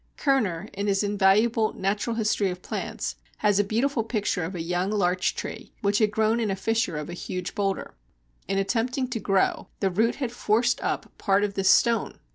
Kerner, in his invaluable Natural History of Plants, has a beautiful picture of a young larch tree which had grown in a fissure of a huge boulder. In attempting to grow, the root had forced up part of this stone.